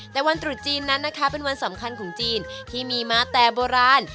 แต่วันตรุษจีนนั้นนะคะเป็นวันสำคัญของจีนที่มีมาแต่โบราณ